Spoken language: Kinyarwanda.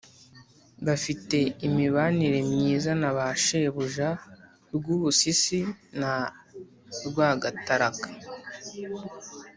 Bafite imibanire myiza na ba shebuja Rwubusisi na Rwagataraka